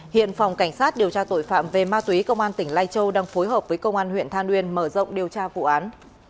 hiện phòng cảnh sát điều tra tội phạm về ma túy công an tỉnh lai châu đang phối hợp với công an huyện than uyên mở rộng điều tra vụ án